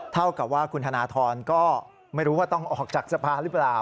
เท่ากับว่าคุณธนทรก็ไม่รู้ว่าต้องออกจากสภาหรือเปล่า